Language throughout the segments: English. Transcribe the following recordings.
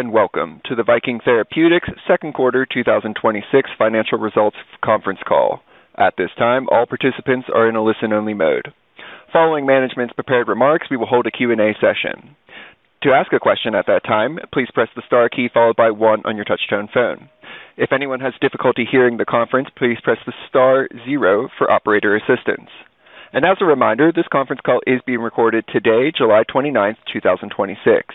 Good day, and welcome to the Viking Therapeutics second quarter 2026 financial results conference call. At this time, all participants are in a listen-only mode. Following management's prepared remarks, we will hold a Q&A session. To ask a question at that time, please press the star key followed by one on your touchtone phone. If anyone has difficulty hearing the conference, please press the star zero for operator assistance. As a reminder, this conference call is being recorded today, July 29th, 2026.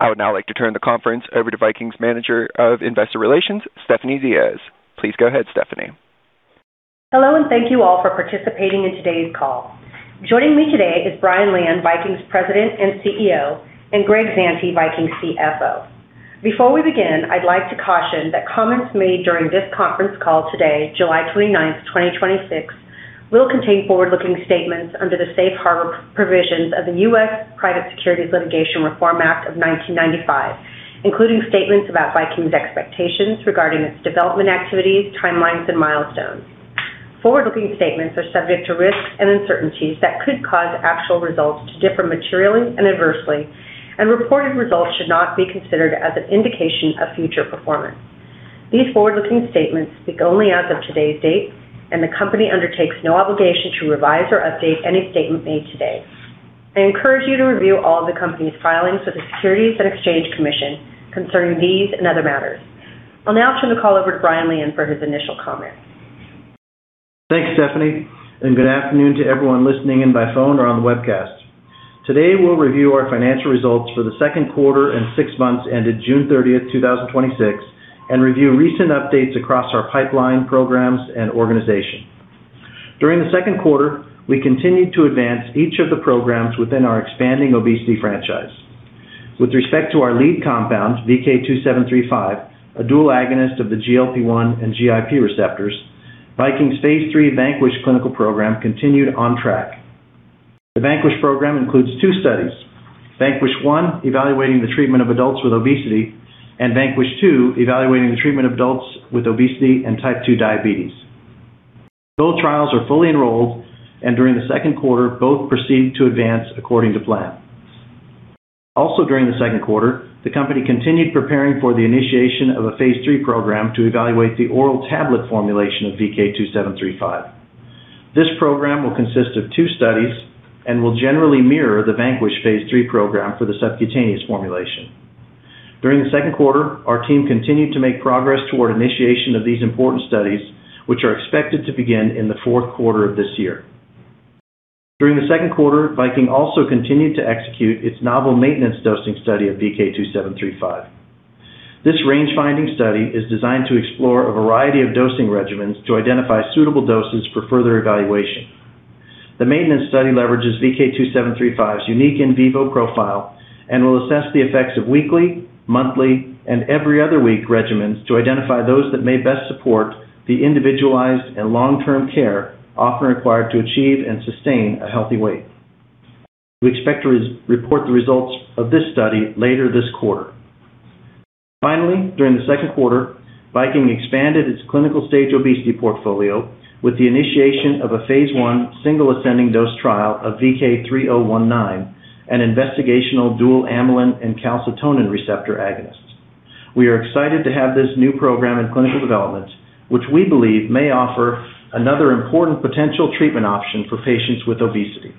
I would now like to turn the conference over to Viking's Manager of Investor Relations, Stephanie Diaz. Please go ahead, Stephanie. Hello, and thank you all for participating in today's call. Joining me today is Brian Lian, Viking's President and CEO, Greg Zante, Viking's CFO. Before we begin, I'd like to caution that comments made during this conference call today, July 29th, 2026, will contain forward-looking statements under the Safe Harbor provisions of the U.S. Private Securities Litigation Reform Act of 1995, including statements about Viking's expectations regarding its development activities, timelines, and milestones. Forward-looking statements are subject to risks and uncertainties that could cause actual results to differ materially and adversely. Reported results should not be considered as an indication of future performance. These forward-looking statements speak only as of today's date. The company undertakes no obligation to revise or update any statement made today. I encourage you to review all of the company's filings with the Securities and Exchange Commission concerning these and other matters. I'll now turn the call over to Brian Lian for his initial comments. Thanks, Stephanie. Good afternoon to everyone listening in by phone or on the webcast. Today, we'll review our financial results for the second quarter and six months ended June 30th, 2026. Review recent updates across our pipeline programs and organization. During the second quarter, we continued to advance each of the programs within our expanding obesity franchise. With respect to our lead compound, VK2735, a dual agonist of the GLP-1 and GIP receptors, Viking's phase III VANQUISH clinical program continued on track. The VANQUISH program includes two studies, VANQUISH 1 evaluating the treatment of adults with obesity and VANQUISH 2 evaluating the treatment of adults with obesity and type two diabetes. Both trials are fully enrolled. During the second quarter, both proceeded to advance according to plan. Also during the second quarter, the company continued preparing for the initiation of a phase III program to evaluate the oral tablet formulation of VK2735. This program will consist of two studies and will generally mirror the VANQUISH phase III program for the subcutaneous formulation. During the second quarter, our team continued to make progress toward initiation of these important studies, which are expected to begin in the fourth quarter of this year. During the second quarter, Viking also continued to execute its novel maintenance dosing study of VK2735. This range-finding study is designed to explore a variety of dosing regimens to identify suitable doses for further evaluation. The maintenance study leverages VK2735's unique in vivo profile and will assess the effects of weekly, monthly, and every other week regimens to identify those that may best support the individualized and long-term care often required to achieve and sustain a healthy weight. We expect to report the results of this study later this quarter. Finally, during the second quarter, Viking expanded its clinical stage obesity portfolio with the initiation of a phase I single ascending dose trial of VK3019, an investigational dual amylin and calcitonin receptor agonist. We are excited to have this new program in clinical development, which we believe may offer another important potential treatment option for patients with obesity.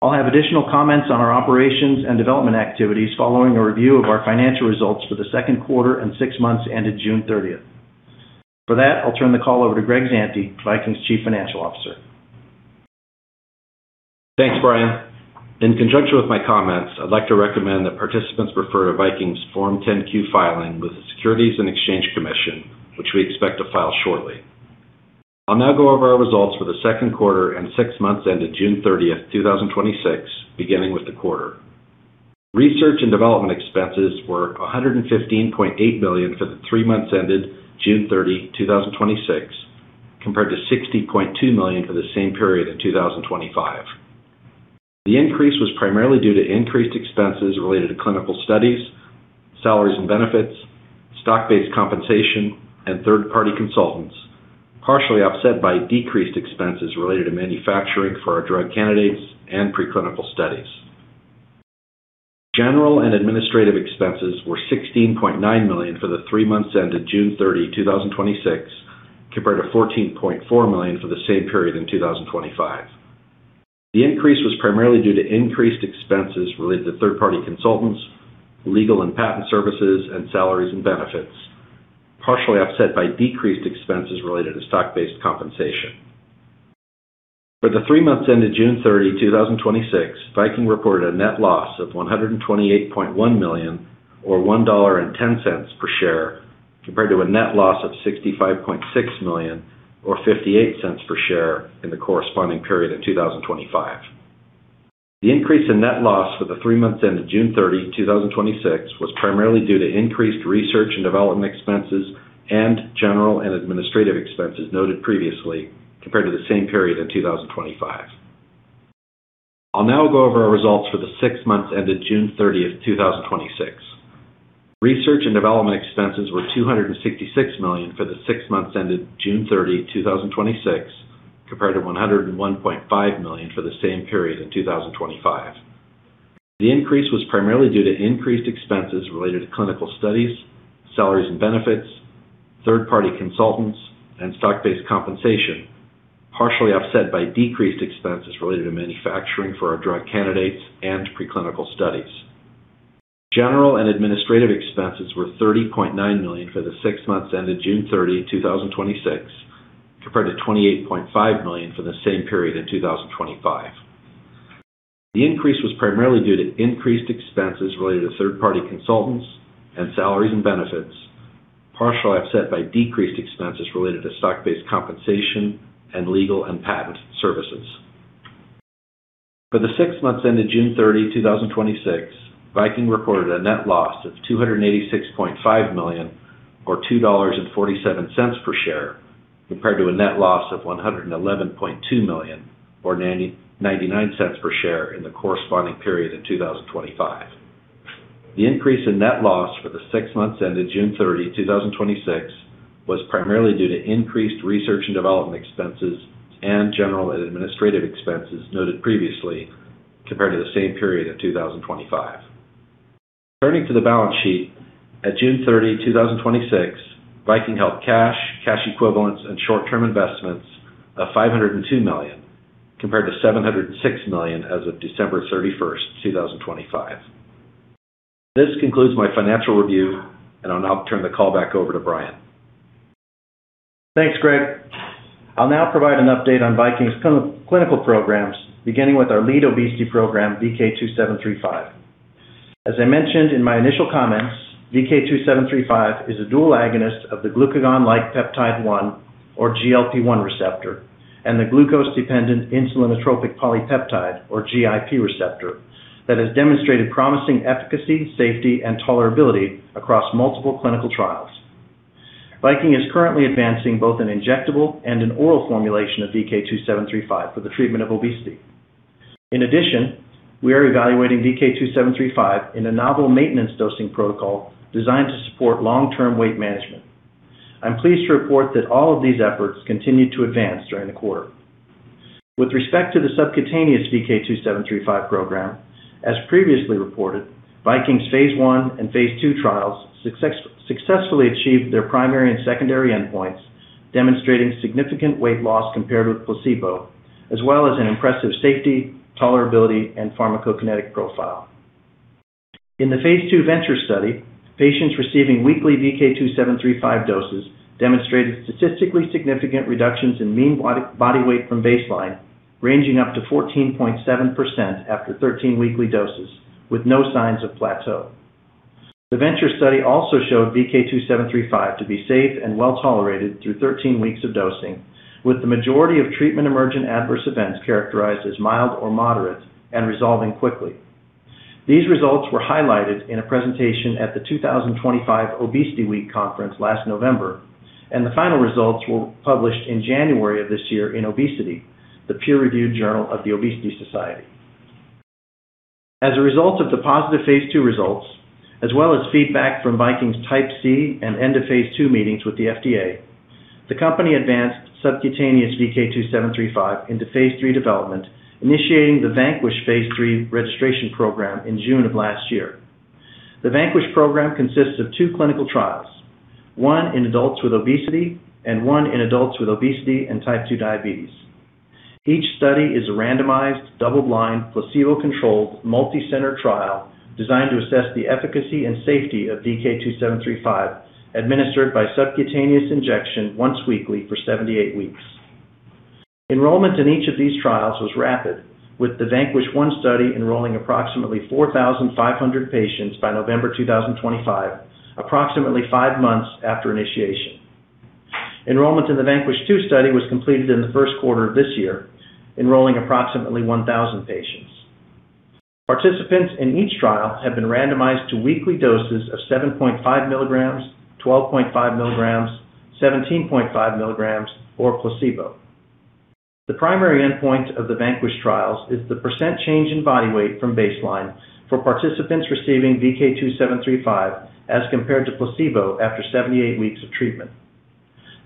I'll have additional comments on our operations and development activities following a review of our financial results for the second quarter and six months ended June 30. For that, I'll turn the call over to Greg Zante, Viking's Chief Financial Officer. Thanks, Brian. In conjunction with my comments, I'd like to recommend that participants refer to Viking's Form 10-Q filing with the Securities and Exchange Commission, which we expect to file shortly. I'll now go over our results for the second quarter and six months ended June 30, 2026, beginning with the quarter. Research and development expenses were $115.8 million for the three months ended June 30, 2026, compared to $60.2 million for the same period in 2025. The increase was primarily due to increased expenses related to clinical studies, salaries and benefits, stock-based compensation, and third-party consultants, partially offset by decreased expenses related to manufacturing for our drug candidates and preclinical studies. General and administrative expenses were $16.9 million for the three months ended June 30, 2026, compared to $14.4 million for the same period in 2025. The increase was primarily due to increased expenses related to third-party consultants, legal and patent services, and salaries and benefits, partially offset by decreased expenses related to stock-based compensation. For the three months ended June 30, 2026, Viking reported a net loss of $128.1 million or $1.10 per share, compared to a net loss of $65.6 million or $0.58 per share in the corresponding period in 2025. The increase in net loss for the three months ended June 30, 2026, was primarily due to increased research and development expenses and general and administrative expenses noted previously compared to the same period in 2025. I will now go over our results for the six months ended June 30, 2026. Research and development expenses were $266 million for the six months ended June 30, 2026, compared to $101.5 million for the same period in 2025. The increase was primarily due to increased expenses related to clinical studies, salaries and benefits, third-party consultants, and stock-based compensation, partially offset by decreased expenses related to manufacturing for our drug candidates and preclinical studies. General and administrative expenses were $30.9 million for the six months ended June 30, 2026, compared to $28.5 million for the same period in 2025. The increase was primarily due to increased expenses related to third-party consultants and salaries and benefits, partially offset by decreased expenses related to stock-based compensation and legal and patent services. For the six months ended June 30, 2026, Viking reported a net loss of $286.5 million or $2.47 per share, compared to a net loss of $111.2 million or $0.99 per share in the corresponding period in 2025. The increase in net loss for the six months ended June 30, 2026, was primarily due to increased research and development expenses and general and administrative expenses noted previously, compared to the same period in 2025. Turning to the balance sheet, at June 30, 2026, Viking held cash equivalents, and short-term investments of $502 million, compared to $706 million as of December 31, 2025. This concludes my financial review, and I will now turn the call back over to Brian. Thanks, Greg. I will now provide an update on Viking's clinical programs, beginning with our lead obesity program, VK2735. As I mentioned in my initial comments, VK2735 is a dual agonist of the glucagon-like peptide 1 or GLP-1 receptor and the glucose-dependent insulinotropic polypeptide or GIP receptor that has demonstrated promising efficacy, safety, and tolerability across multiple clinical trials. Viking is currently advancing both an injectable and an oral formulation of VK2735 for the treatment of obesity. In addition, we are evaluating VK2735 in a novel maintenance dosing protocol designed to support long-term weight management. I am pleased to report that all of these efforts continued to advance during the quarter. With respect to the subcutaneous VK2735 program, as previously reported, Viking's phase I and phase II trials successfully achieved their primary and secondary endpoints, demonstrating significant weight loss compared with placebo, as well as an impressive safety, tolerability, and pharmacokinetic profile. In the phase II VENTURE study, patients receiving weekly VK2735 doses demonstrated statistically significant reductions in mean body weight from baseline, ranging up to 14.7% after 13 weekly doses with no signs of plateau. The VENTURE study also showed VK2735 to be safe and well-tolerated through 13 weeks of dosing, with the majority of treatment-emergent adverse events characterized as mild or moderate and resolving quickly. These results were highlighted in a presentation at the 2025 ObesityWeek conference last November, and the final results were published in January of this year in "Obesity," the peer-reviewed journal of The Obesity Society. As a result of the positive phase II results, as well as feedback from Viking's type C and end of phase II meetings with the FDA, the company advanced subcutaneous VK2735 into phase III development, initiating the VANQUISH phase III registration program in June of last year. The VANQUISH program consists of two clinical trials, one in adults with obesity and one in adults with obesity and type 2 diabetes. Each study is a randomized, double-blind, placebo-controlled, multi-center trial designed to assess the efficacy and safety of VK2735 administered by subcutaneous injection once weekly for 78 weeks. Enrollment in each of these trials was rapid, with the VANQUISH 1 study enrolling approximately 4,500 patients by November 2025, approximately five months after initiation. Enrollment in the VANQUISH 2 study was completed in the first quarter of this year, enrolling approximately 1,000 patients. Participants in each trial have been randomized to weekly doses of 7.5 milligrams, 12.5 milligrams, 17.5 milligrams, or placebo. The primary endpoint of the VANQUISH trials is the percent change in body weight from baseline for participants receiving VK2735 as compared to placebo after 78 weeks of treatment.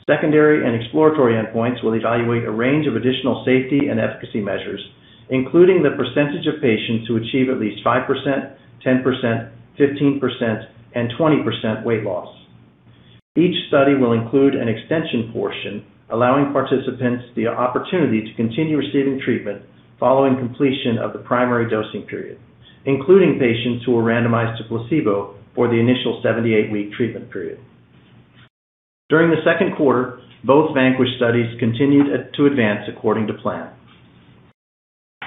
Secondary and exploratory endpoints will evaluate a range of additional safety and efficacy measures, including the percentage of patients who achieve at least 5%, 10%, 15%, and 20% weight loss. Each study will include an extension portion, allowing participants the opportunity to continue receiving treatment following completion of the primary dosing period, including patients who were randomized to placebo for the initial 78-week treatment period. During the second quarter, both VANQUISH studies continued to advance according to plan.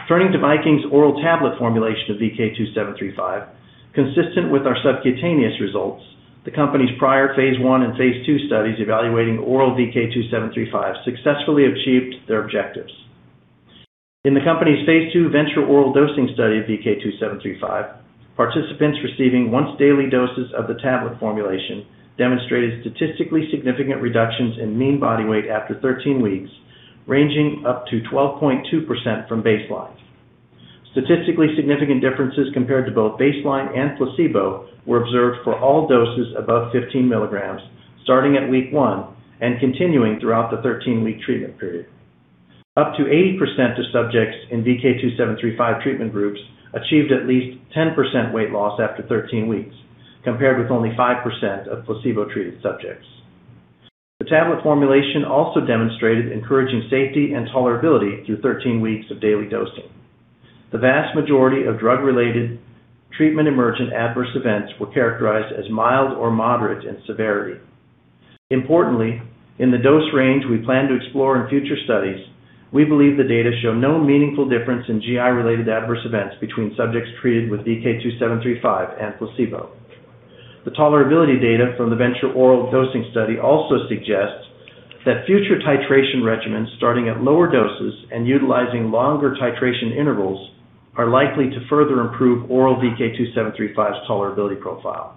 Turning to Viking's oral tablet formulation of VK2735, consistent with our subcutaneous results, the company's prior phase I and phase II studies evaluating oral VK2735 successfully achieved their objectives. In the company's phase II VENTURE oral dosing study of VK2735, participants receiving once-daily doses of the tablet formulation demonstrated statistically significant reductions in mean body weight after 13 weeks, ranging up to 12.2% from baseline. Statistically significant differences compared to both baseline and placebo were observed for all doses above 15 milligrams, starting at week one and continuing throughout the 13-week treatment period. Up to 80% of subjects in VK2735 treatment groups achieved at least 10% weight loss after 13 weeks, compared with only 5% of placebo-treated subjects. The tablet formulation also demonstrated encouraging safety and tolerability through 13 weeks of daily dosing. The vast majority of drug-related treatment emergent adverse events were characterized as mild or moderate in severity. Importantly, in the dose range we plan to explore in future studies, we believe the data show no meaningful difference in GI-related adverse events between subjects treated with VK2735 and placebo. The tolerability data from the VENTURE oral dosing study also suggests that future titration regimens starting at lower doses and utilizing longer titration intervals are likely to further improve oral VK2735's tolerability profile.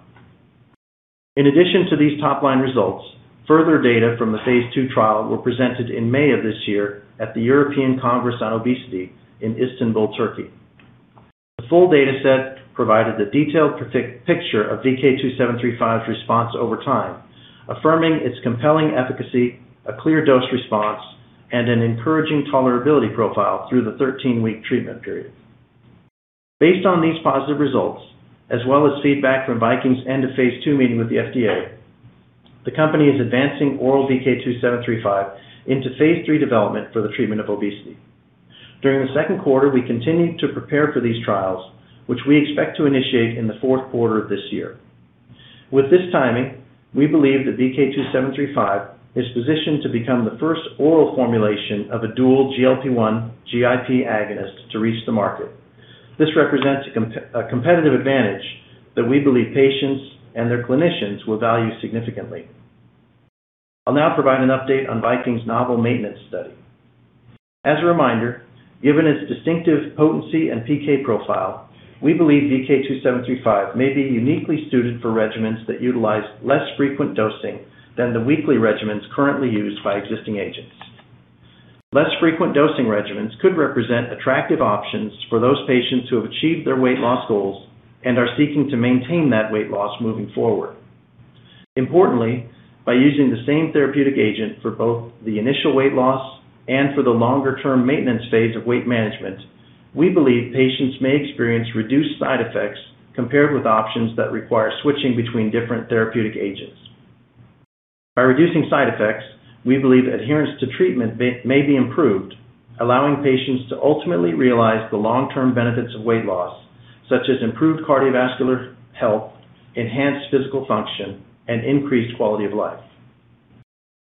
In addition to these top-line results, further data from the phase II trial were presented in May of this year at the European Congress on Obesity in Istanbul, Turkey. The full data set provided a detailed picture of VK2735's response over time, affirming its compelling efficacy, a clear dose response, and an encouraging tolerability profile through the 13-week treatment period. Based on these positive results, as well as feedback from Viking's end-of-phase II meeting with the FDA, the company is advancing oral VK2735 into phase III development for the treatment of obesity. During the second quarter, we continued to prepare for these trials, which we expect to initiate in the fourth quarter of this year. With this timing, we believe that VK2735 is positioned to become the first oral formulation of a dual GLP-1 GIP agonist to reach the market. This represents a competitive advantage that we believe patients and their clinicians will value significantly. I'll now provide an update on Viking's novel maintenance study. As a reminder, given its distinctive potency and PK profile, we believe VK2735 may be uniquely suited for regimens that utilize less frequent dosing than the weekly regimens currently used by existing agents. Less frequent dosing regimens could represent attractive options for those patients who have achieved their weight loss goals and are seeking to maintain that weight loss moving forward. Importantly, by using the same therapeutic agent for both the initial weight loss and for the longer-term maintenance phase of weight management, we believe patients may experience reduced side effects compared with options that require switching between different therapeutic agents. By reducing side effects, we believe adherence to treatment may be improved, allowing patients to ultimately realize the long-term benefits of weight loss, such as improved cardiovascular health, enhanced physical function, and increased quality of life.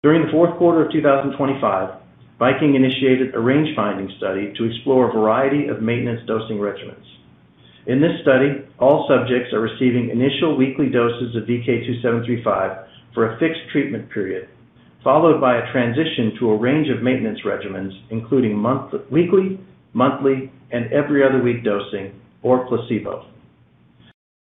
During the fourth quarter of 2025, Viking initiated a range-finding study to explore a variety of maintenance dosing regimens. In this study, all subjects are receiving initial weekly doses of VK2735 for a fixed treatment period, followed by a transition to a range of maintenance regimens, including weekly, monthly, and every other week dosing or placebo.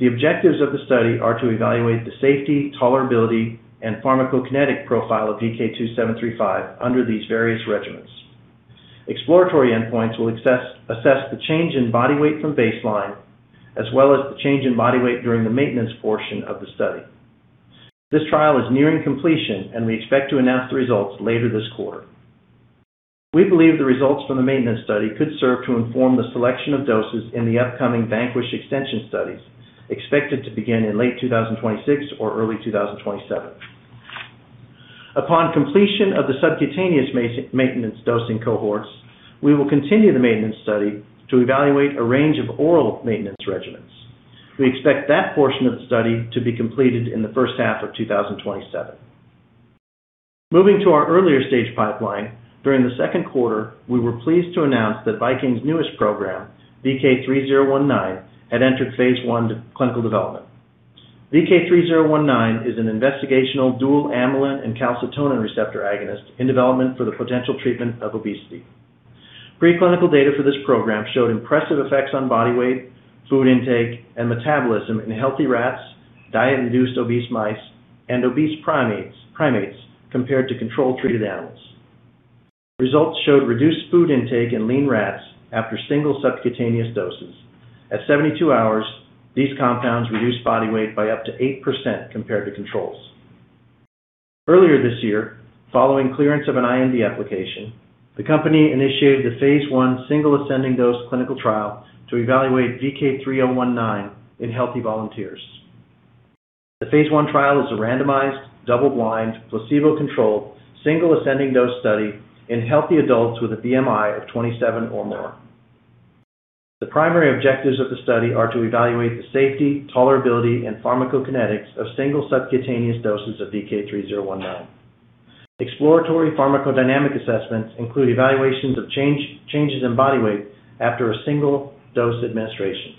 The objectives of the study are to evaluate the safety, tolerability, and pharmacokinetic profile of VK2735 under these various regimens. Exploratory endpoints will assess the change in body weight from baseline, as well as the change in body weight during the maintenance portion of the study. This trial is nearing completion, and we expect to announce the results later this quarter. We believe the results from the maintenance study could serve to inform the selection of doses in the upcoming VANQUISH extension studies expected to begin in late 2026 or early 2027. Upon completion of the subcutaneous maintenance dosing cohorts, we will continue the maintenance study to evaluate a range of oral maintenance regimens. We expect that portion of the study to be completed in the first half of 2027. Moving to our earlier stage pipeline, during the second quarter, we were pleased to announce that Viking's newest program, VK3019, had entered phase I clinical development. VK3019 is an investigational dual amylin and calcitonin receptor agonist in development for the potential treatment of obesity. Pre-clinical data for this program showed impressive effects on body weight, food intake, and metabolism in healthy rats, diet-induced obese mice, and obese primates compared to control-treated animals. Results showed reduced food intake in lean rats after single subcutaneous doses. At 72 hours, these compounds reduced body weight by up to 8% compared to controls. Earlier this year, following clearance of an IND application, the company initiated the phase I single ascending dose clinical trial to evaluate VK3019 in healthy volunteers. The phase I trial is a randomized, double-blind, placebo-controlled, single ascending dose study in healthy adults with a BMI of 27 or more. The primary objectives of the study are to evaluate the safety, tolerability, and pharmacokinetics of single subcutaneous doses of VK3019. Exploratory pharmacodynamic assessments include evaluations of changes in body weight after a single dose administration.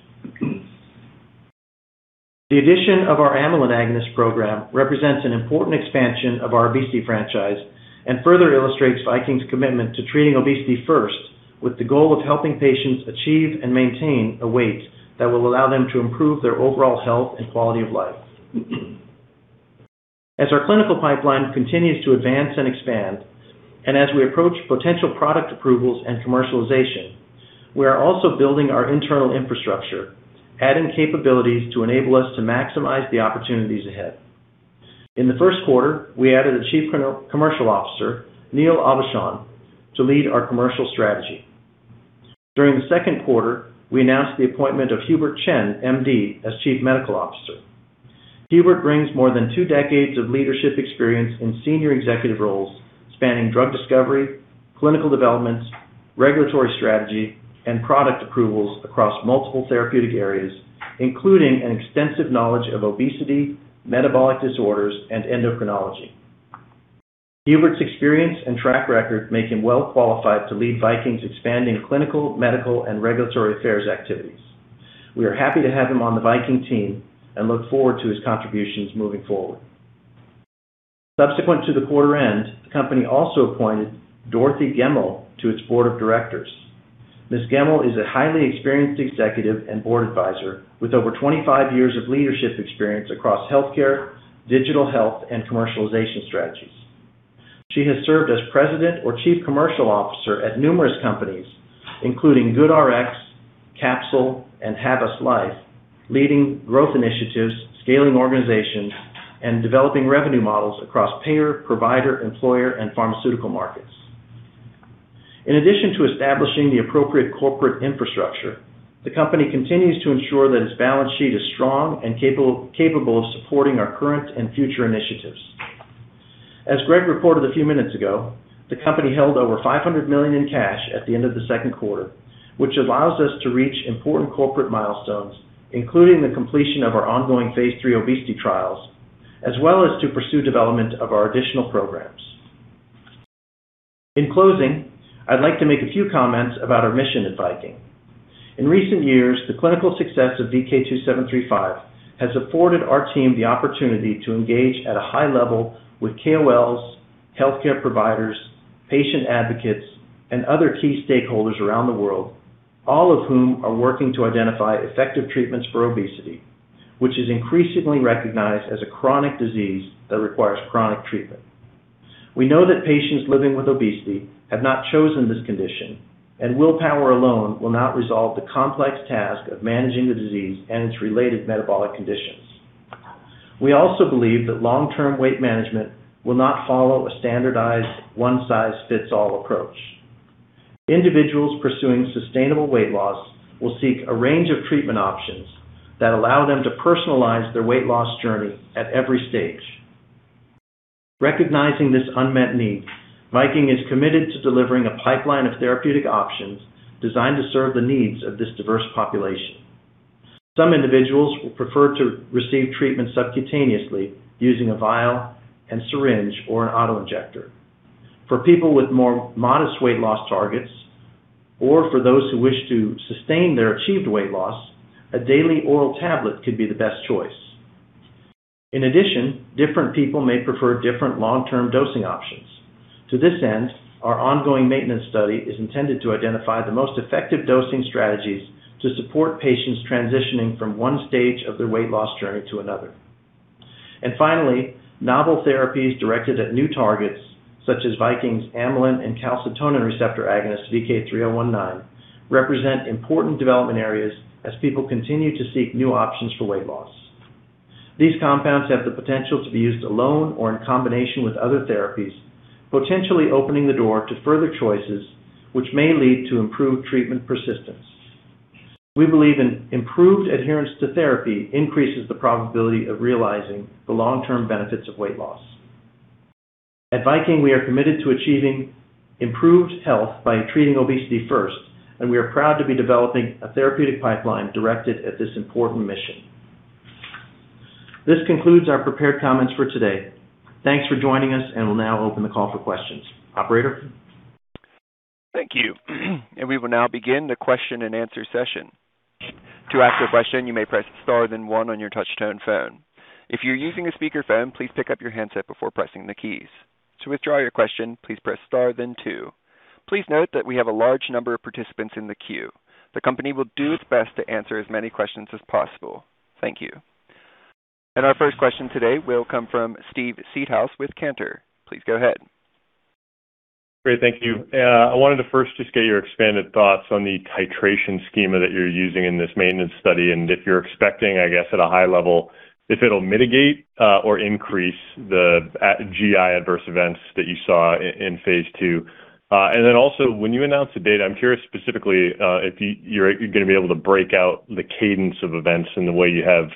The addition of our amylin agonist program represents an important expansion of our obesity franchise and further illustrates Viking's commitment to treating obesity first with the goal of helping patients achieve and maintain a weight that will allow them to improve their overall health and quality of life. As our clinical pipeline continues to advance and expand, and as we approach potential product approvals and commercialization, we are also building our internal infrastructure, adding capabilities to enable us to maximize the opportunities ahead. In the first quarter, we added a Chief Commercial Officer, Neil Aubuchon, to lead our commercial strategy. During the second quarter, we announced the appointment of Hubert Chen, M.D., as Chief Medical Officer. Hubert brings more than two decades of leadership experience in senior executive roles spanning drug discovery, clinical developments, regulatory strategy, and product approvals across multiple therapeutic areas, including an extensive knowledge of obesity, metabolic disorders, and endocrinology. Hubert's experience and track record make him well-qualified to lead Viking's expanding clinical, medical, and regulatory affairs activities. We are happy to have him on the Viking team and look forward to his contributions moving forward. Subsequent to the quarter end, the company also appointed Dorothy Gemmell to its board of directors. Ms. Gemmell is a highly experienced executive and board advisor with over 25 years of leadership experience across healthcare, digital health, and commercialization strategies. She has served as president or Chief Commercial Officer at numerous companies, including GoodRx, Capsule, and Havas Life, leading growth initiatives, scaling organizations, and developing revenue models across payer, provider, employer, and pharmaceutical markets. In addition to establishing the appropriate corporate infrastructure, the company continues to ensure that its balance sheet is strong and capable of supporting our current and future initiatives. As Greg reported a few minutes ago, the company held over $500 million in cash at the end of the second quarter, which allows us to reach important corporate milestones, including the completion of our ongoing phase III obesity trials, as well as to pursue development of our additional programs. In closing, I'd like to make a few comments about our mission at Viking. In recent years, the clinical success of VK2735 has afforded our team the opportunity to engage at a high level with KOLs, healthcare providers, patient advocates, and other key stakeholders around the world, all of whom are working to identify effective treatments for obesity, which is increasingly recognized as a chronic disease that requires chronic treatment. We know that patients living with obesity have not chosen this condition, and willpower alone will not resolve the complex task of managing the disease and its related metabolic conditions. We also believe that long-term weight management will not follow a standardized one-size-fits-all approach. Individuals pursuing sustainable weight loss will seek a range of treatment options that allow them to personalize their weight loss journey at every stage. Recognizing this unmet need, Viking is committed to delivering a pipeline of therapeutic options designed to serve the needs of this diverse population. Some individuals will prefer to receive treatment subcutaneously using a vial and syringe or an auto-injector. For people with more modest weight loss targets, or for those who wish to sustain their achieved weight loss, a daily oral tablet could be the best choice. In addition, different people may prefer different long-term dosing options. To this end, our ongoing maintenance study is intended to identify the most effective dosing strategies to support patients transitioning from one stage of their weight loss journey to another. Finally, novel therapies directed at new targets, such as Viking's amylin and calcitonin receptor agonist, VK3019, represent important development areas as people continue to seek new options for weight loss. These compounds have the potential to be used alone or in combination with other therapies, potentially opening the door to further choices, which may lead to improved treatment persistence. We believe in improved adherence to therapy increases the probability of realizing the long-term benefits of weight loss. At Viking, we are committed to achieving improved health by treating obesity first, and we are proud to be developing a therapeutic pipeline directed at this important mission. This concludes our prepared comments for today. Thanks for joining us, and we'll now open the call for questions. Operator? Thank you. We will now begin the question and answer session. To ask a question, you may press star, then one on your touch-tone phone. If you're using a speakerphone, please pick up your handset before pressing the keys. To withdraw your question, please press star, then two. Please note that we have a large number of participants in the queue. The company will do its best to answer as many questions as possible. Thank you. Our first question today will come from Steve Seedhouse with Cantor. Please go ahead. Great. Thank you. I wanted to first just get your expanded thoughts on the titration schema that you're using in this maintenance study, and if you're expecting, I guess, at a high level, if it'll mitigate or increase the GI adverse events that you saw in phase II. Also, when you announce the data, I'm curious specifically if you're going to be able to break out the cadence of events in the way you have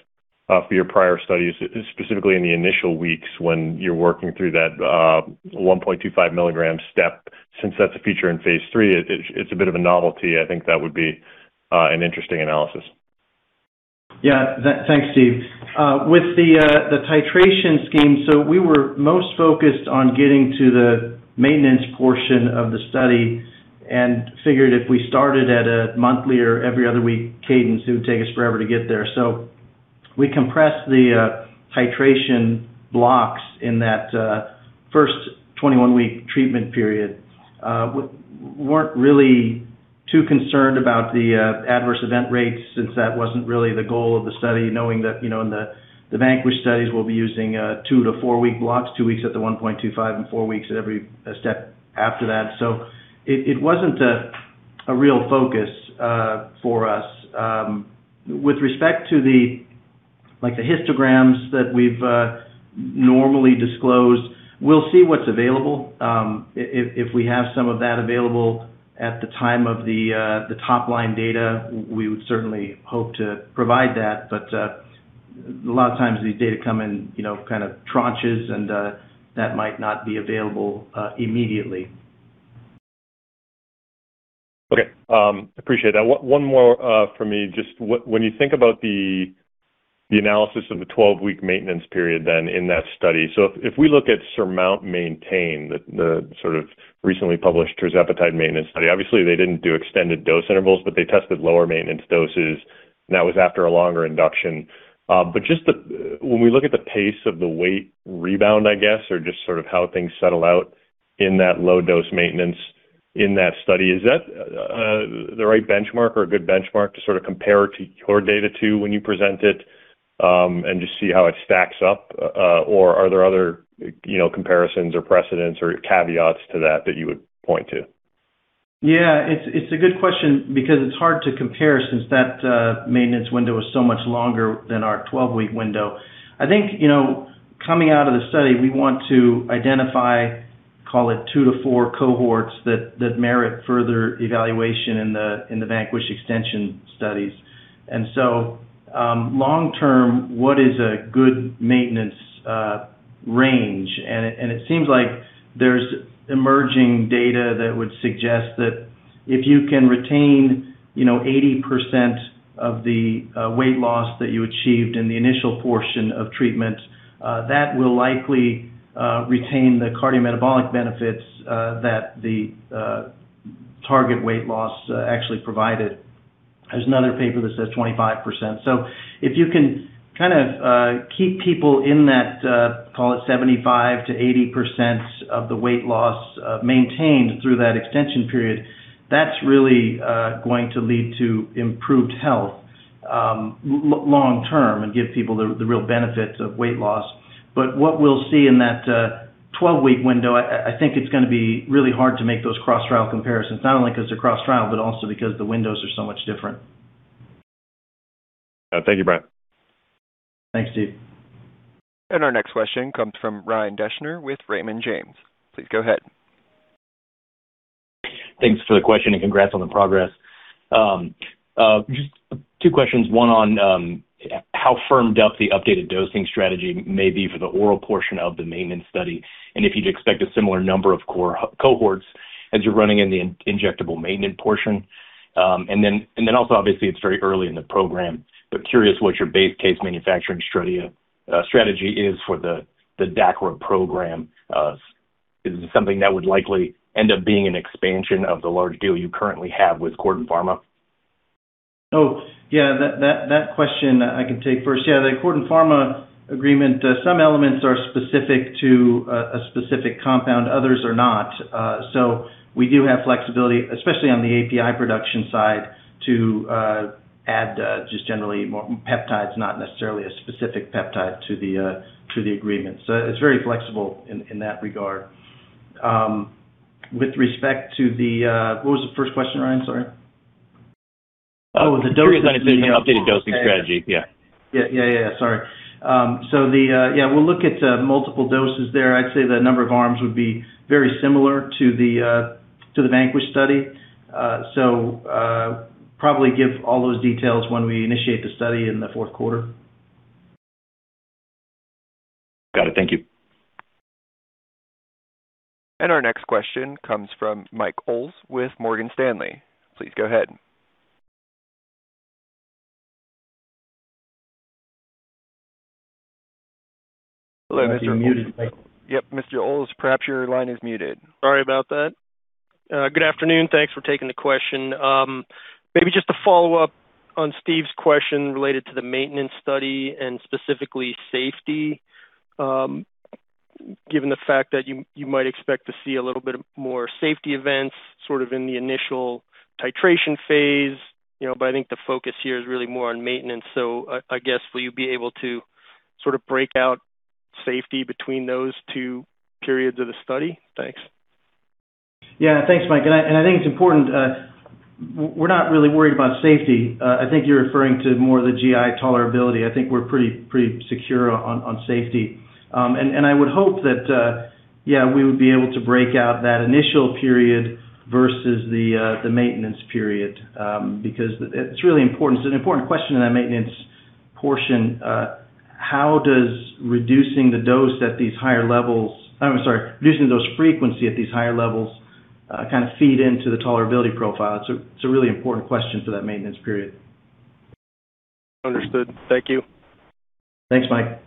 for your prior studies, specifically in the initial weeks when you're working through that 1.25 milligram step. Since that's a feature in phase III, it's a bit of a novelty. I think that would be an interesting analysis. Yeah. Thanks, Steve. With the titration scheme, we were most focused on getting to the maintenance portion of the study and figured if we started at a monthly or every other week cadence, it would take us forever to get there. We compressed the titration blocks in that first 21-week treatment period. We weren't really too concerned about the adverse event rates since that wasn't really the goal of the study, knowing that in the VANQUISH studies, we'll be using two to four-week blocks, two weeks at the 1.25 and four weeks at every step after that. It wasn't a real focus for us. With respect to the histograms that we've normally disclosed, we'll see what's available. If we have some of that available at the time of the top-line data, we would certainly hope to provide that. A lot of times, these data come in tranches, and that might not be available immediately. Okay. Appreciate that. One more for me, just when you think about the analysis of the 12-week maintenance period then in that study. If we look at SURMOUNT-MAINTAIN, the sort of recently published tirzepatide maintenance study. Obviously, they didn't do extended dose intervals, but they tested lower maintenance doses, and that was after a longer induction. When we look at the pace of the weight rebound, I guess, or just sort of how things settle out in that low-dose maintenance in that study, is that the right benchmark or a good benchmark to sort of compare to your data to when you present it, and just see how it stacks up? Or are there other comparisons or precedents or caveats to that that you would point to? Yeah. It's a good question because it's hard to compare since that maintenance window is so much longer than our 12-week window. I think, coming out of the study, we want to identify, call it two to four cohorts that merit further evaluation in the VANQUISH extension studies. Long term, what is a good maintenance range? It seems like there's emerging data that would suggest that if you can retain 80% of the weight loss that you achieved in the initial portion of treatment, that will likely retain the cardiometabolic benefits that the target weight loss actually provided. There's another paper that says 25%. If you can kind of keep people in that, call it 75% to 80% of the weight loss, maintained through that extension period, that's really going to lead to improved health long term and give people the real benefits of weight loss. What we'll see in that 12-week window, I think it's going to be really hard to make those cross-trial comparisons, not only because they're cross-trial, but also because the windows are so much different. Thank you, Brian. Thanks, Steve. Our next question comes from Ryan Deschner with Raymond James. Please go ahead. Thanks for the question and congrats on the progress. Just two questions. One on how firmed up the updated dosing strategy may be for the oral portion of the maintenance study, and if you'd expect a similar number of cohorts as you're running in the injectable maintenance portion. Obviously, it's very early in the program, but curious what your base case manufacturing strategy is for the DACRA program. Is it something that would likely end up being an expansion of the large deal you currently have with CordenPharma? Oh, yeah, that question I can take first. Yeah, the CordenPharma agreement, some elements are specific to a specific compound, others are not. We do have flexibility, especially on the API production side, to add just generally more peptides, not necessarily a specific peptide to the agreement. It's very flexible in that regard. With respect to what was the first question, Ryan? Sorry. Curious on the updated dosing strategy. Yeah. Yeah. Sorry. Yeah, we'll look at multiple doses there. I'd say the number of arms would be very similar to the VANQUISH study. Probably give all those details when we initiate the study in the fourth quarter. Got it. Thank you. Our next question comes from Mike Cyprys with Morgan Stanley. Please go ahead. Hello, Mr. Olds. Yep, Mr. Cyprys, perhaps your line is muted. Sorry about that. Good afternoon. Thanks for taking the question. Maybe just to follow up on Steven's question related to the maintenance study and specifically safety. Given the fact that you might expect to see a little bit more safety events sort of in the initial titration phase, but I think the focus here is really more on maintenance. I guess, will you be able to sort of break out safety between those two periods of the study? Thanks. Yeah. Thanks, Mike. I think it's important. We're not really worried about safety. I think you're referring to more the GI tolerability. I think we're pretty secure on safety. I would hope that, yeah, we would be able to break out that initial period versus the maintenance period. Because it's really important. It's an important question in that maintenance portion. How does reducing the dose at these higher levels, I'm sorry, reducing the dose frequency at these higher levels kind of feed into the tolerability profile? It's a really important question for that maintenance period. Understood. Thank you. Thanks, Mike.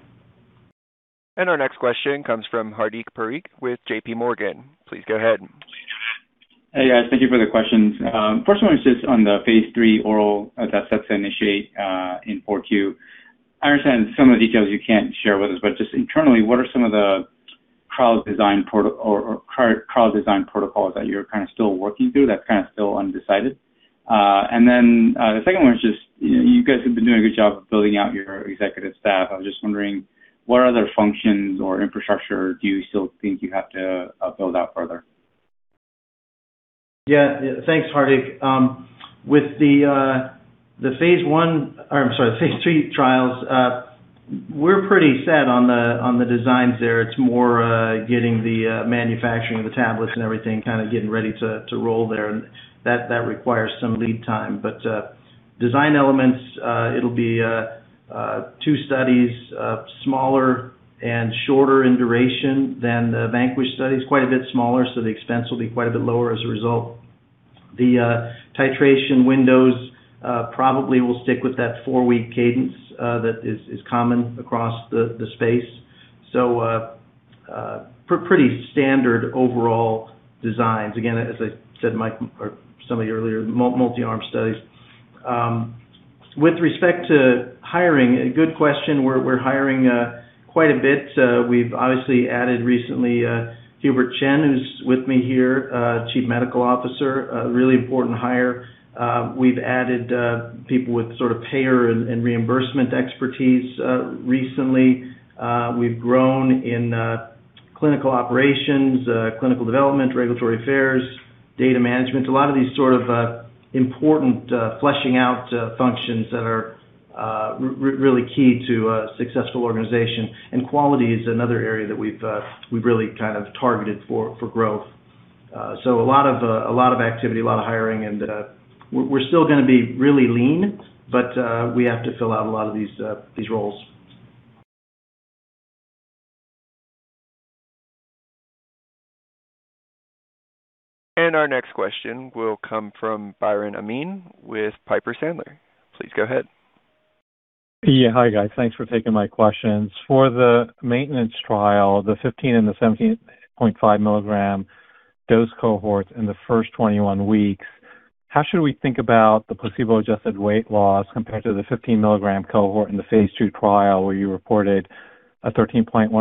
Our next question comes from Hardik Parikh with J.P. Morgan. Please go ahead. Hey, guys. Thank you for the questions. First one is just on the phase III oral that sets to initiate in 4Q. I understand some of the details you can't share with us, but just internally, what are some of the trials design protocol that you're still working through, that's still undecided? The second one is just you guys have been doing a good job of building out your executive staff. I was just wondering, what other functions or infrastructure do you still think you have to build out further? Thanks, Hardik. With the phase I, or I'm sorry, phase III trials, we're pretty set on the designs there. It's more getting the manufacturing of the tablets and everything, getting ready to roll there, and that requires some lead time. Design elements, it'll be two studies, smaller and shorter in duration than the VANQUISH studies. Quite a bit smaller, so the expense will be quite a bit lower as a result. The titration windows probably will stick with that four-week cadence that is common across the space. Pretty standard overall designs. Again, as I said, Mike, or somebody earlier, multi-arm studies. With respect to hiring, a good question. We're hiring quite a bit. We've obviously added recently Hubert Chen, who's with me here, Chief Medical Officer. A really important hire. We've added people with sort of payer and reimbursement expertise recently. We've grown in clinical operations, clinical development, regulatory affairs, data management. A lot of these sort of important fleshing out functions that are really key to a successful organization. Quality is another area that we've really kind of targeted for growth. A lot of activity, a lot of hiring, we're still going to be really lean, but we have to fill out a lot of these roles. Our next question will come from Biren Amin with Piper Sandler. Please go ahead. Hi, guys. Thanks for taking my questions. For the maintenance trial, the 15 and the 17.5 milligram dose cohorts in the first 21 weeks, how should we think about the placebo-adjusted weight loss compared to the 15-milligram cohort in the phase II trial, where you reported a 13.1%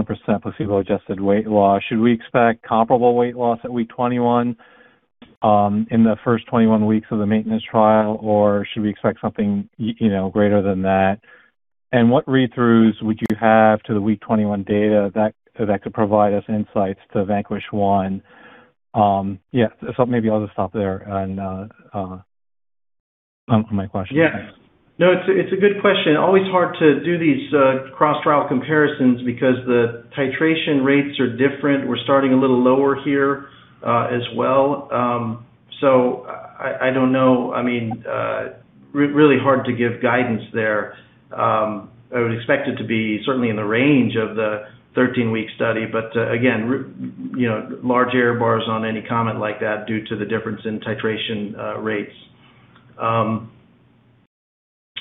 placebo-adjusted weight loss? Should we expect comparable weight loss at week 21 in the first 21 weeks of the maintenance trial, or should we expect something greater than that? What read-throughs would you have to the week 21 data that could provide us insights to VANQUISH-1? Maybe I'll just stop there on my question. Thanks. No, it's a good question. Always hard to do these cross-trial comparisons because the titration rates are different. We're starting a little lower here as well. I don't know. Really hard to give guidance there. I would expect it to be certainly in the range of the 13-week study, but again, large error bars on any comment like that due to the difference in titration rates.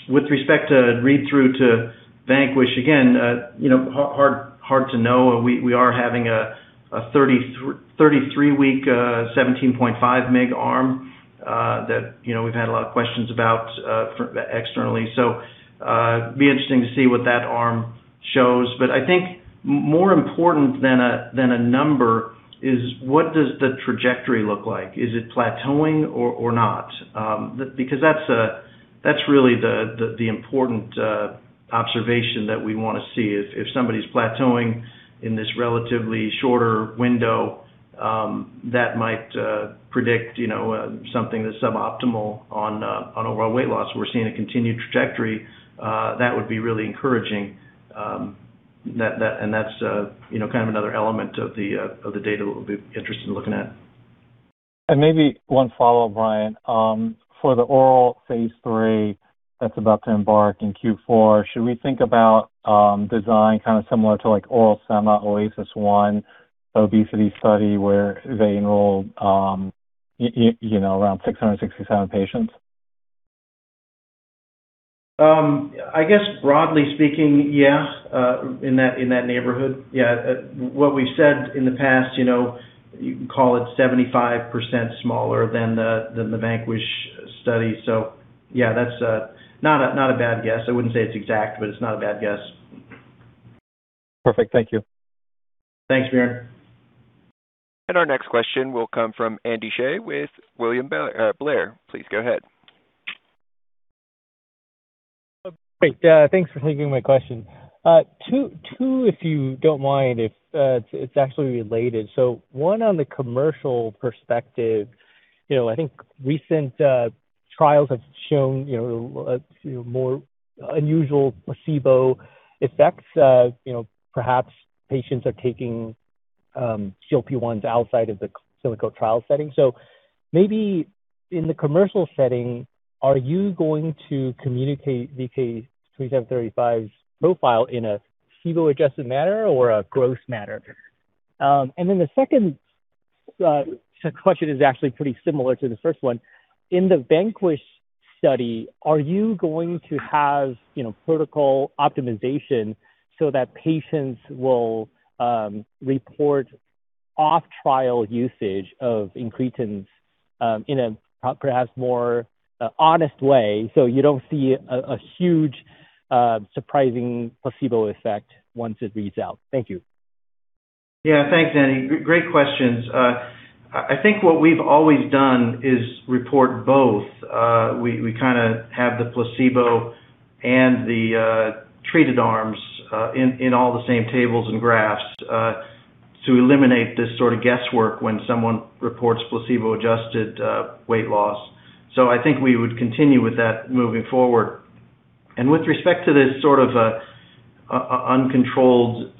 With respect to read-through to VANQUISH, again, hard to know. We are having a 33-week, 17.5 mg arm that we've had a lot of questions about externally. Be interesting to see what that arm shows. But I think more important than a number is what does the trajectory look like? Is it plateauing or not? Because that's really the important observation that we want to see. If somebody's plateauing in this relatively shorter window, that might predict something that's suboptimal on overall weight loss. We're seeing a continued trajectory. That would be really encouraging. That's kind of another element of the data that we'll be interested in looking at. Maybe one follow-up, Brian. For the oral phase III that's about to embark in Q4, should we think about design kind of similar to like oral sema OASIS 1 obesity study where they enrolled around 667 patients? I guess broadly speaking, in that neighborhood. What we've said in the past, you can call it 75% smaller than the VANQUISH study. That's not a bad guess. I wouldn't say it's exact, but it's not a bad guess. Perfect. Thank you. Thanks, Biren. Our next question will come from Andy Hsieh with William Blair. Please go ahead. Great. Thanks for taking my question. Two, if you don't mind. It's actually related. One on the commercial perspective. I think recent trials have shown more unusual placebo effects. Perhaps patients are taking GLP-1s outside of the clinical trial setting. Maybe in the commercial setting, are you going to communicate VK2735 profile in a placebo-adjusted manner or a gross manner? The second question is actually pretty similar to the first one. In the VANQUISH study, are you going to have protocol optimization so that patients will report off-trial usage of incretins in a perhaps more honest way, so you don't see a huge surprising placebo effect once it reads out. Thank you. Yeah. Thanks, Andy. Great questions. I think what we've always done is report both. We have the placebo and the treated arms in all the same tables and graphs, to eliminate this sort of guesswork when someone reports placebo-adjusted weight loss. I think we would continue with that moving forward. With respect to this sort of uncontrolled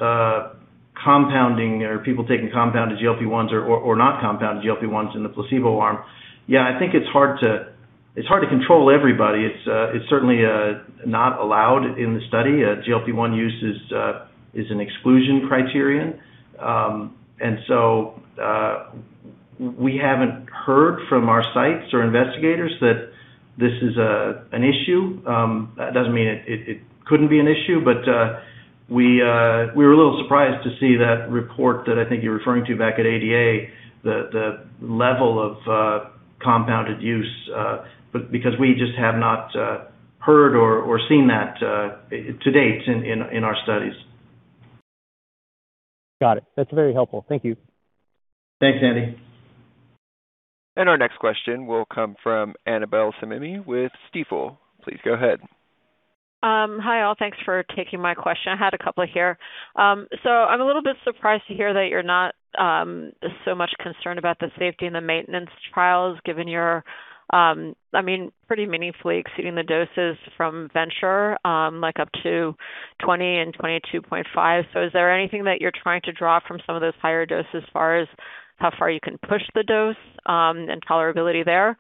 compounding, or people taking compounded GLP-1s or not compounded GLP-1s in the placebo arm, yeah, I think it's hard to control everybody. It's certainly not allowed in the study. A GLP-1 use is an exclusion criterion. We haven't heard from our sites or investigators that this is an issue. That doesn't mean it couldn't be an issue, we were a little surprised to see that report that I think you're referring to back at ADA, the level of compounded use, because we just have not heard or seen that to date in our studies. Got it. That's very helpful. Thank you. Thanks, Andy. Our next question will come from Annabel Samimy with Stifel. Please go ahead. Hi, all. Thanks for taking my question. I had a couple here. I'm a little bit surprised to hear that you're not so much concerned about the safety and the maintenance trials, given your pretty meaningfully exceeding the doses from VENTURE, like up to 20 and 22.5. Is there anything that you're trying to draw from some of those higher doses, as far as how far you can push the dose, and tolerability there?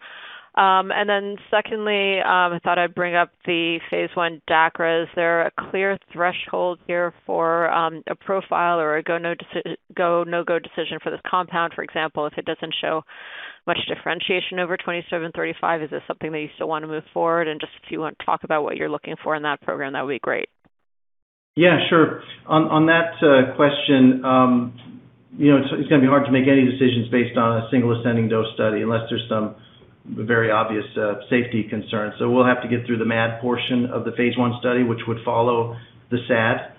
Secondly, I thought I'd bring up the phase I DACRA. Is there a clear threshold here for a profile or a go, no-go decision for this compound? For example, if it doesn't show much differentiation over 2735, is this something that you still want to move forward? Just if you want to talk about what you're looking for in that program, that would be great. Yeah, sure. On that question, it's going to be hard to make any decisions based on a single ascending dose study, unless there's some very obvious safety concern. We'll have to get through the MAD portion of the phase I study, which would follow the SAD.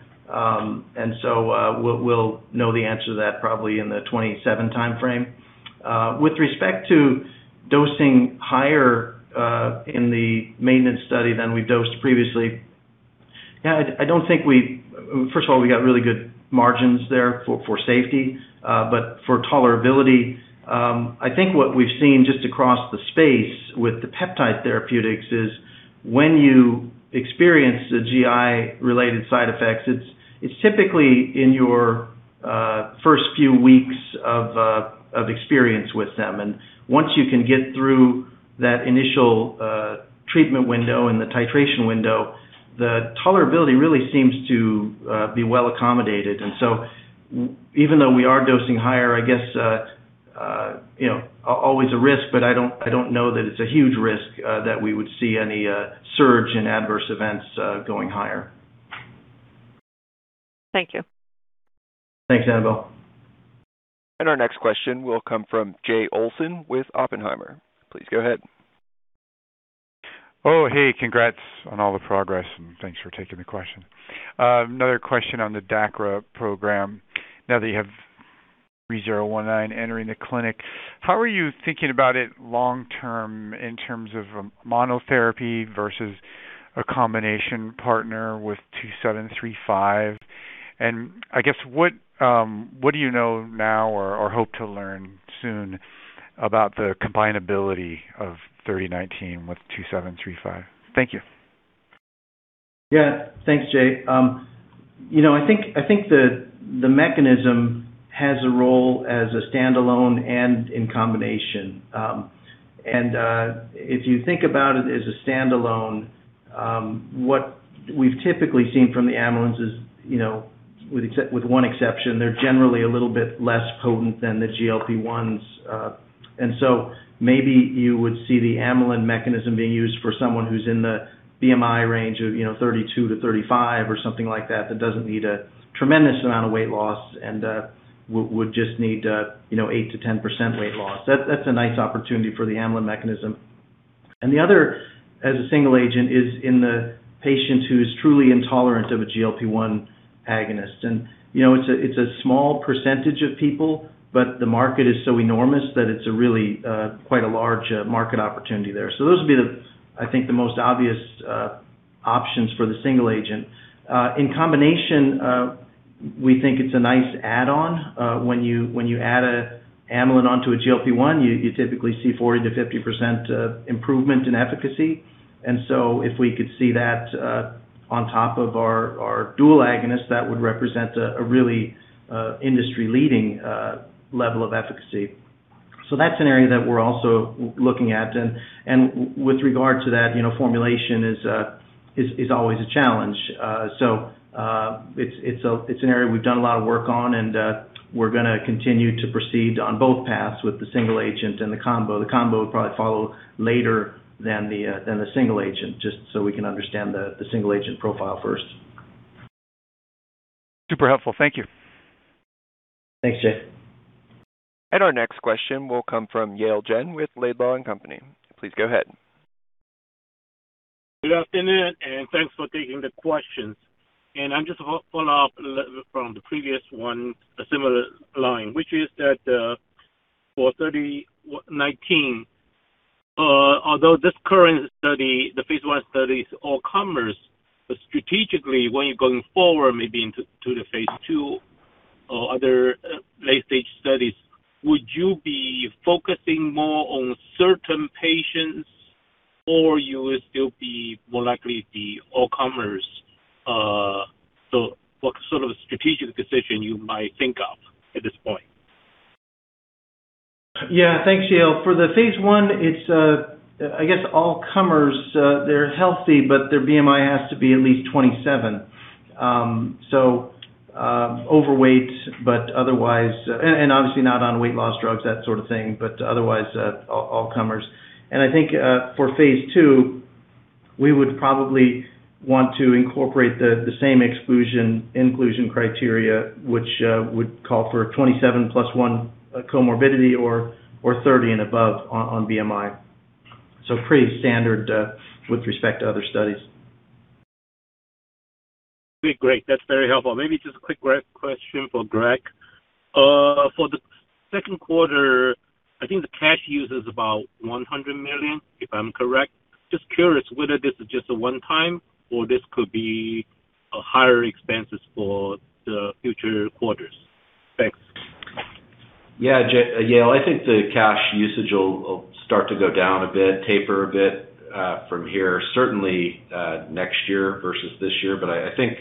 We'll know the answer to that probably in the 27 time-frame. With respect to dosing higher in the maintenance study than we've dosed previously, yeah, first of all, we got really good margins there for safety. For tolerability, I think what we've seen just across the space with the peptide therapeutics is when you experience the GI-related side effects, it's typically in your first few weeks of experience with them. Once you can get through that initial treatment window and the titration window, the tolerability really seems to be well-accommodated. Even though we are dosing higher, I guess, always a risk, but I don't know that it's a huge risk that we would see any surge in adverse events going higher. Thank you. Thanks, Annabel. Our next question will come from Jay Olson with Oppenheimer. Please go ahead. Oh, hey. Congrats on all the progress, and thanks for taking the question. Another question on the DACRA program. Now that you have 3019 entering the clinic, how are you thinking about it long term in terms of monotherapy versus a combination partner with 2735? I guess, what do you know now or hope to learn soon about the combinability of 3019 with 2735? Thank you. Thanks, Jay. I think the mechanism has a role as a standalone and in combination. If you think about it as a standalone, what we've typically seen from the amylins is, with one exception, they're generally a little bit less potent than the GLP-1s. Maybe you would see the amylin mechanism being used for someone who's in the BMI range of 32 to 35 or something like that doesn't need a tremendous amount of weight loss and would just need 8% to 10% weight loss. That's a nice opportunity for the amylin mechanism. The other, as a single agent, is in the patient who is truly intolerant of a GLP-1 agonist. It's a small percentage of people, but the market is so enormous that it's really quite a large market opportunity there. Those would be, I think, the most obvious options for the single agent. In combination, we think it's a nice add-on. When you add an amylin onto a GLP-1, you typically see 40% to 50% improvement in efficacy. If we could see that on top of our dual agonist, that would represent a really industry-leading level of efficacy. That's an area that we're also looking at. With regard to that, formulation is always a challenge. It's an area we've done a lot of work on, and we're going to continue to proceed on both paths with the single agent and the combo. The combo would probably follow later than the single agent, just so we can understand the single agent profile first. Super helpful. Thank you. Thanks, Jay. Our next question will come from Yale Jen with Laidlaw & Company. Please go ahead. Good afternoon, and thanks for taking the questions. I'm just follow up from the previous one, a similar line, which is that, for 3019, although this current study, the phase I study is all comers, strategically, when you're going forward, maybe into the phase II or other late-stage studies, would you be focusing more on certain patients or you will still be more likely be all comers? What sort of strategic decision you might think of at this point? Yeah. Thanks, Yale. For the phase I, it's all comers. They're healthy, but their BMI has to be at least 27. Overweight, and obviously not on weight loss drugs, that sort of thing, but otherwise, all comers. I think, for phase II, we would probably want to incorporate the same exclusion/inclusion criteria, which would call for 27 plus 1 comorbidity or 30 and above on BMI. Pretty standard with respect to other studies. Okay, great. That's very helpful. Maybe just a quick question for Greg. For the second quarter, I think the cash use is about $100 million, if I'm correct. Just curious whether this is just a one-time or this could be higher expenses for the future quarters. Thanks. Yeah, Yale. I think the cash usage will start to go down a bit, taper a bit from here, certainly next year versus this year. I think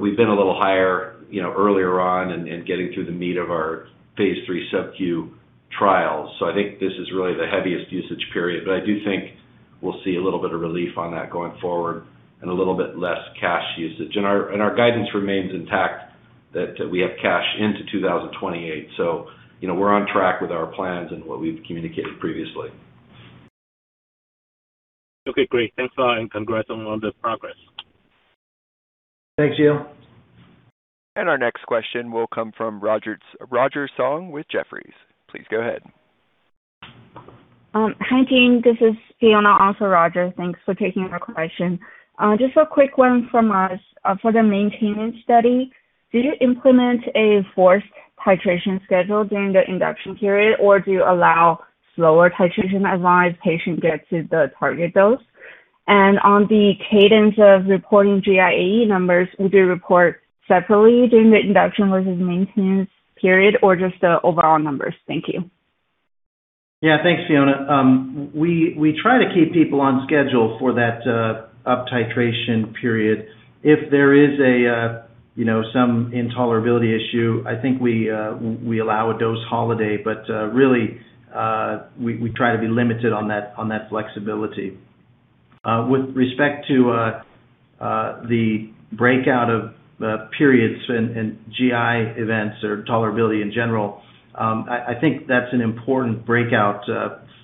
we've been a little higher earlier on in getting through the meat of our phase III subQ trials. I think this is really the heaviest usage period. I do think we'll see a little bit of relief on that going forward and a little bit less cash usage. Our guidance remains intact that we have cash into 2028. We're on track with our plans and what we've communicated previously. Okay, great. Thanks a lot and congrats on all the progress. Thanks, Yale. Our next question will come from Roger Song with Jefferies. Please go ahead. Hi, team. This is Fiona, also Roger. Thanks for taking our question. Just a quick one from us. For the maintenance study, did you implement a forced titration schedule during the induction period, or do you allow slower titration as long as patient gets to the target dose? On the cadence of reporting GI AE numbers, will you report separately during the induction versus maintenance period or just the overall numbers? Thank you. Thanks, Fiona. We try to keep people on schedule for that up titration period. If there is some intolerability issue, I think we allow a dose holiday. Really, we try to be limited on that flexibility. With respect to the breakout of periods and GI events or tolerability in general, I think that's an important breakout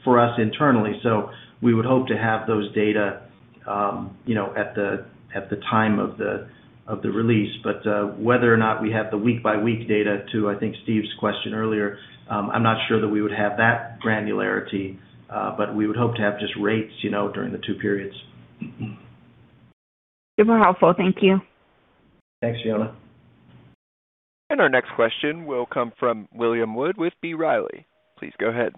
for us internally, so we would hope to have those data at the time of the release. Whether or not we have the week-by-week data, to, I think, Steve's question earlier, I'm not sure that we would have that granularity. We would hope to have just rates during the two periods. Super helpful. Thank you. Thanks, Fiona. Our next question will come from William Wood with B. Riley. Please go ahead.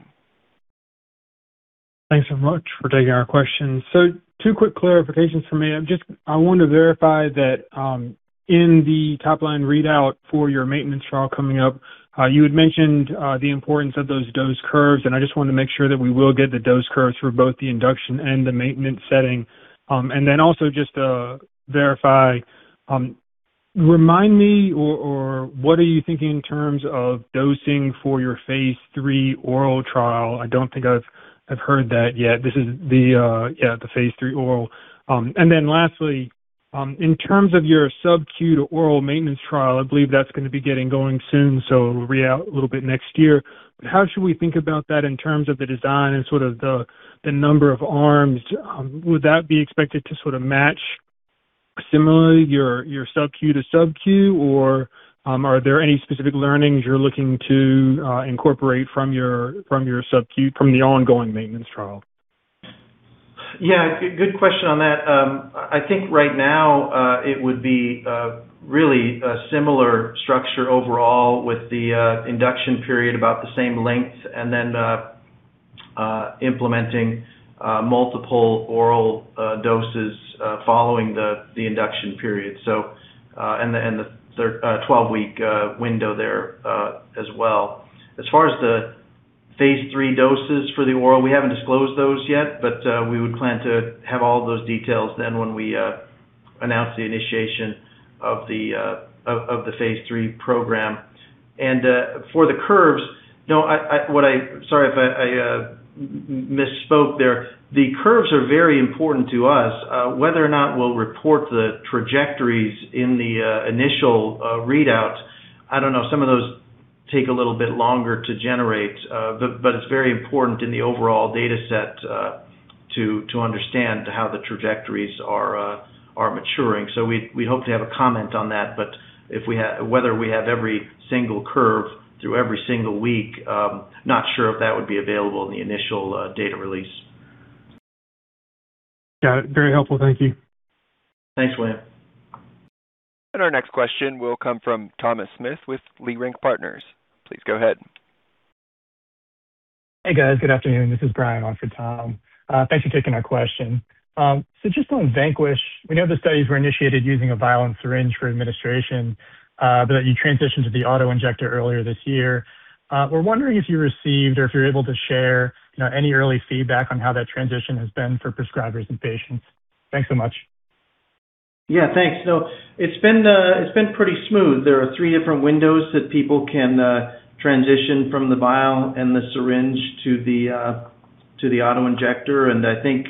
Thanks so much for taking our questions. Two quick clarifications for me. I want to verify that in the top-line readout for your maintenance trial coming up, you had mentioned the importance of those dose curves, and I just wanted to make sure that we will get the dose curves for both the induction and the maintenance setting. Also just to verify, remind me or what are you thinking in terms of dosing for your phase III oral trial? I don't think I've heard that yet. This is the phase III oral. Lastly, in terms of your subQ to oral maintenance trial, I believe that's going to be getting going soon, a little bit next year. How should we think about that in terms of the design and sort of the number of arms? Would that be expected to sort of match similarly your subQ to subQ, or are there any specific learnings you're looking to incorporate from your subQ from the ongoing maintenance trial? Yeah. Good question on that. I think right now, it would be really a similar structure overall with the induction period about the same length and then implementing multiple oral doses following the induction period. The 12-week window there as well. As far as the phase III doses for the oral, we haven't disclosed those yet, but we would plan to have all those details then when we announce the initiation of the phase III program. For the curves, sorry if I misspoke there. The curves are very important to us. Whether or not we'll report the trajectories in the initial readout, I don't know. Take a little bit longer to generate. It's very important in the overall data set to understand how the trajectories are maturing. We hope to have a comment on that. Whether we have every single curve through every single week, not sure if that would be available in the initial data release. Got it. Very helpful. Thank you. Thanks, William. Our next question will come from Thomas Smith with Leerink Partners. Please go ahead. Hey, guys. Good afternoon. This is Brian on for Tom. Thanks for taking our question. Just on VANQUISH, we know the studies were initiated using a vial and syringe for administration, but that you transitioned to the auto-injector earlier this year. We're wondering if you received, or if you're able to share, any early feedback on how that transition has been for prescribers and patients? Thanks so much. Yeah, thanks. It's been pretty smooth. There are three different windows that people can transition from the vial and the syringe to the auto-injector. I think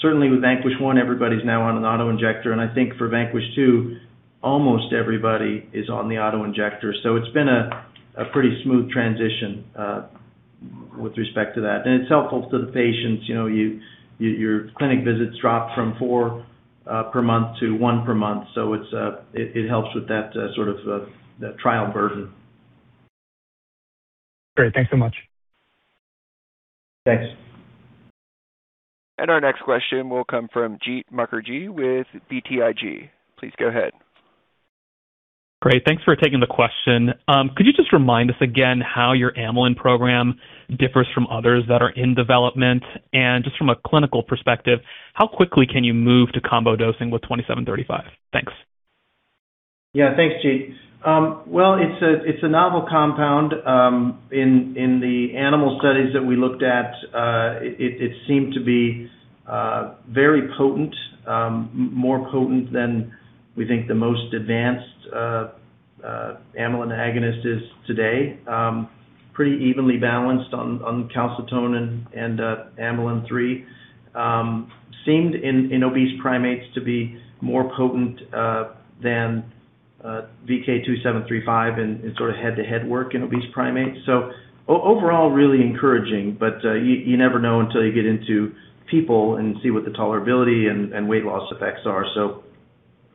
certainly with VANQUISH 1, everybody's now on an auto-injector. I think for VANQUISH 2, almost everybody is on the auto-injector. It's been a pretty smooth transition with respect to that. It's helpful to the patients. Your clinic visits drop from four per month to one per month. It helps with that sort of the trial burden. Great. Thanks so much. Thanks. Our next question will come from Jeet Mukherjee with BTIG. Please go ahead. Great. Thanks for taking the question. Could you just remind us again how your amylin program differs from others that are in development? Just from a clinical perspective, how quickly can you move to combo dosing with VK2735? Thanks. Yeah. Thanks, Jeet. Well, it's a novel compound. In the animal studies that we looked at, it seemed to be very potent. More potent than we think the most advanced amylin agonist is today. Pretty evenly balanced on calcitonin and AMY3. Seemed, in obese primates, to be more potent than VK2735 in sort of head-to-head work in obese primates. Overall, really encouraging, but you never know until you get into people and see what the tolerability and weight loss effects are.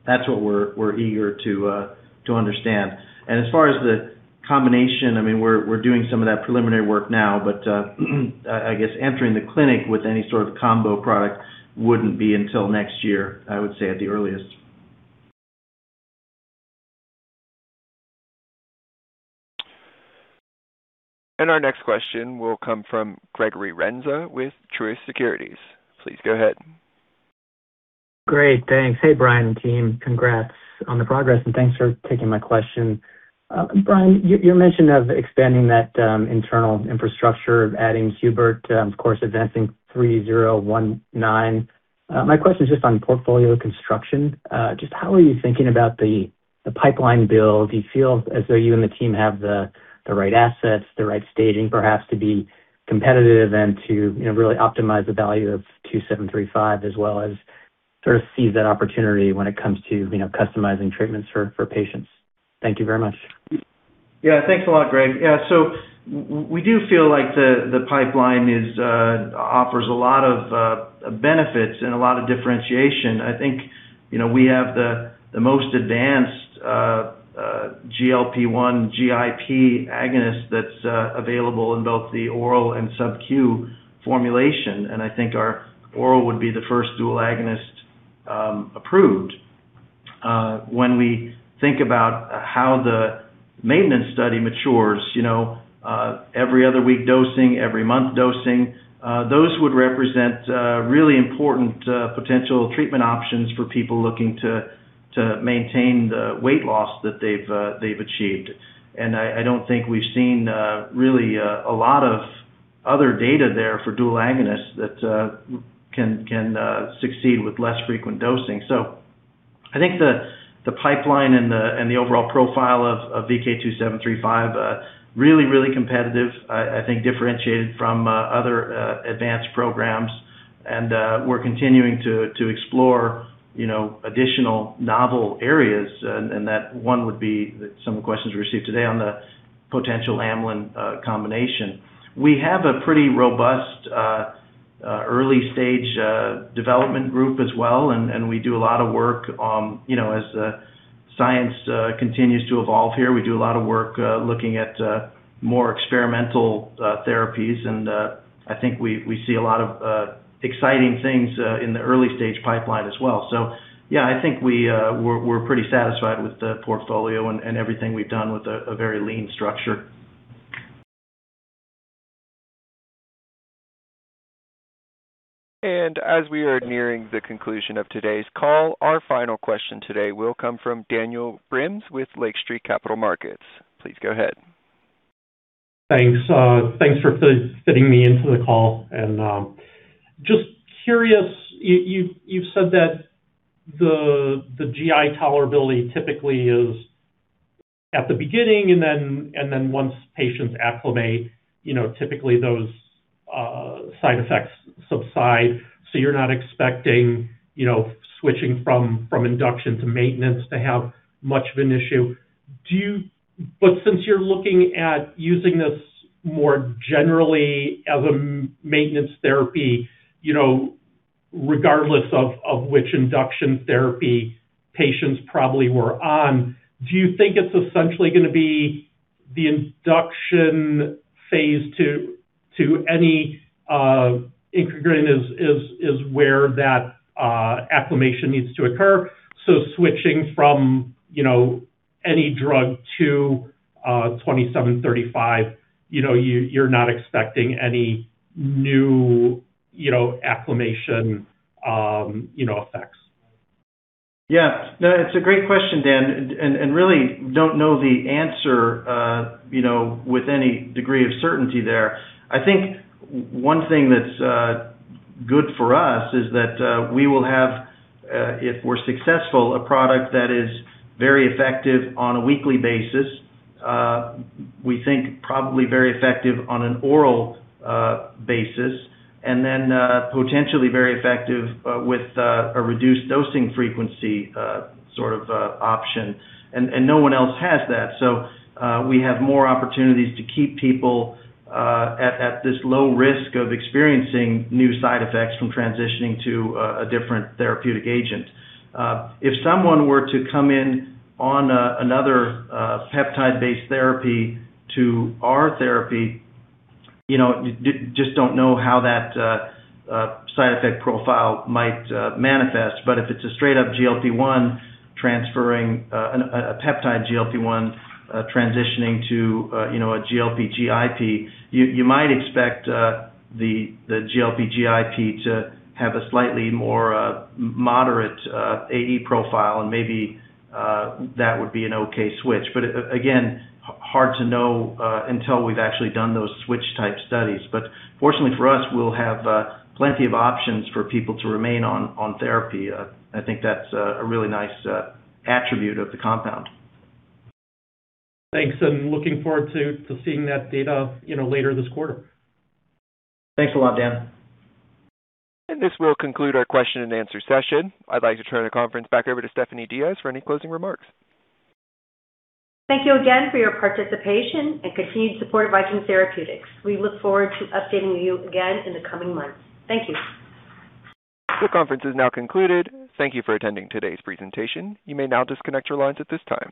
That's what we're eager to understand. As far as the combination, we're doing some of that preliminary work now. I guess entering the clinic with any sort of combo product wouldn't be until next year, I would say, at the earliest. Our next question will come from Gregory Renza with Truist Securities. Please go ahead. Great, thanks. Hey, Brian and team. Congrats on the progress and thanks for taking my question. Brian, your mention of expanding that internal infrastructure, of adding Hubert, of course, advancing VK3019. My question is just on portfolio construction. How are you thinking about the pipeline build? Do you feel as though you and the team have the right assets, the right staging, perhaps, to be competitive and to really optimize the value of VK2735, as well as sort of seize that opportunity when it comes to customizing treatments for patients? Thank you very much. Thanks a lot, Greg. We do feel like the pipeline offers a lot of benefits and a lot of differentiation. I think we have the most advanced GLP-1, GIP agonist that's available in both the oral and subq formulation. I think our oral would be the first dual agonist approved. When we think about how the maintenance study matures, every other week dosing, every month dosing, those would represent really important potential treatment options for people looking to maintain the weight loss that they've achieved. I don't think we've seen really a lot of other data there for dual agonists that can succeed with less frequent dosing. I think the pipeline and the overall profile of VK2735, really competitive. I think differentiated from other advanced programs. We're continuing to explore additional novel areas. That one would be some of the questions we received today on the potential amylin combination. We have a pretty robust early-stage development group as well. We do a lot of work as the science continues to evolve here. We do a lot of work looking at more experimental therapies. I think we see a lot of exciting things in the early stage pipeline as well. I think we're pretty satisfied with the portfolio and everything we've done with a very lean structure. As we are nearing the conclusion of today's call, our final question today will come from Daniel Brims with Lake Street Capital Markets. Please go ahead. Thanks. Thanks for fitting me into the call. Just curious, you've said that the GI tolerability typically is at the beginning. Then once patients acclimate, typically those side effects subside. You're not expecting switching from induction to maintenance to have much of an issue. Since you're looking at using this more generally as a maintenance therapy, regardless of which induction therapy patients probably were on, do you think it's essentially going to be the induction phase to any incretin agent is where that acclimation needs to occur, so switching from any drug to 2735, you're not expecting any new acclimation effects? It's a great question, Dan, really don't know the answer with any degree of certainty there. I think one thing that's good for us is that we will have, if we're successful, a product that is very effective on a weekly basis. We think probably very effective on an oral basis, then potentially very effective with a reduced dosing frequency sort of option, and no one else has that. We have more opportunities to keep people at this low risk of experiencing new side effects from transitioning to a different therapeutic agent. If someone were to come in on another peptide-based therapy to our therapy, just don't know how that side effect profile might manifest. If it's a straight up GLP-1 transferring a peptide GLP-1 transitioning to a GLP/GIP, you might expect the GLP/GIP to have a slightly more moderate AE profile and maybe that would be an okay switch. Again, hard to know until we've actually done those switch type studies. Fortunately for us, we'll have plenty of options for people to remain on therapy. I think that's a really nice attribute of the compound. Thanks, looking forward to seeing that data later this quarter. Thanks a lot, Dan. This will conclude our question and answer session. I'd like to turn the conference back over to Stephanie Diaz for any closing remarks. Thank you again for your participation and continued support of Viking Therapeutics. We look forward to updating you again in the coming months. Thank you. The conference is now concluded. Thank you for attending today's presentation. You may now disconnect your lines at this time.